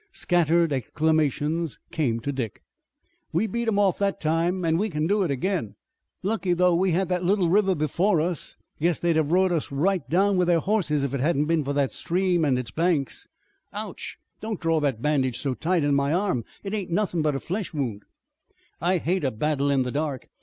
Scattered exclamations came to Dick: "We beat 'em off that time, an' we can do it again." "Lucky though we had that little river before us. Guess they'd have rode us right down with their horses if it hadn't been for the stream an' its banks." "Ouch, don't draw that bandage so tight on my arm. It ain't nothin' but a flesh wound." "I hate a battle in the dark.